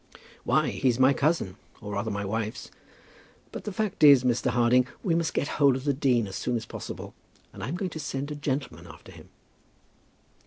"Why; he's my cousin, or rather, my wife's. But the fact is, Mr. Harding, we must get hold of the dean as soon as possible; and I'm going to send a gentleman after him."